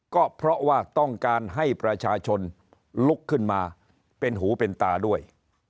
ก็เพราะว่าต้องการให้ประชาชนลุกขึ้นมาเป็นหูเป็นตาด้วย